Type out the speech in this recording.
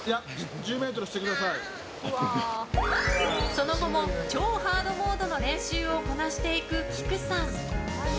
その後も超ハードモードの練習をこなしていく、きくさん。